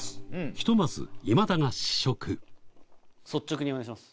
ひとまず今田が試食率直にお願いします。